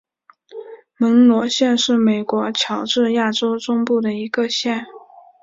门罗县是美国乔治亚州中部的一个县。